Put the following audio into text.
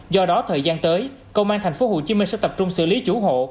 do đó thời gian tới công an thành phố hồ chí minh sẽ tập trung xử lý chủ hộ